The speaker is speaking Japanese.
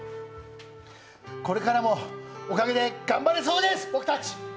これからも、おかげで頑張れそうです、僕たち。